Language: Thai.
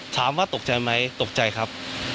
ถามว่าตกใจไหมตกใจครับ